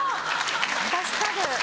助かる！